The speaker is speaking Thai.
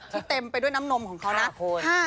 เต็มไปด้วยน้ำนมของเขานะ